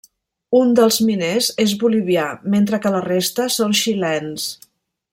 Un dels miners és bolivià, mentre que la resta són xilens.